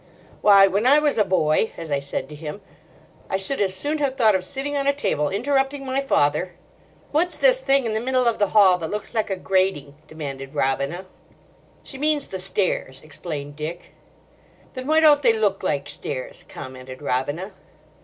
"Why, when I was a boy," as I said to him, "I should as soon have thought of sitting on a table, interrupting my father—" "What's this thing in the middle of the hall, that looks like a grating?" demanded Robina. "She means the stairs," explained Dick. "Then why don't they look like stairs?" commented Robina.